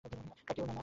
তার কেউ নেই, মা।